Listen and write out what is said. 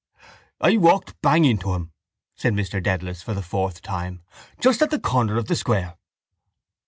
—I walked bang into him, said Mr Dedalus for the fourth time, just at the corner of the square.